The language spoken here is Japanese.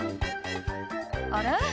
「あれ？